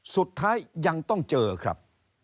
สุดท้ายยังต้องเจอครับ